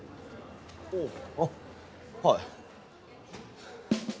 あっはい。